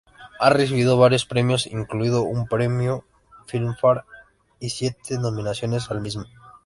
Ha recibido varios premios, incluido un premio Filmfare y siete nominaciones al mismo.